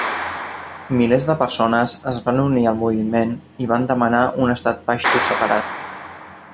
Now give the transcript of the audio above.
Milers de persones es van unir al moviment i van demanar un estat paixtu separat.